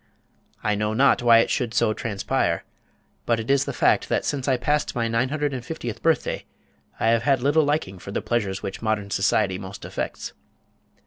I know not why it should so transpire, but it is the fact that since I passed my nine hundred and fiftieth birthday I have had little liking for the pleasures which modern society most affects.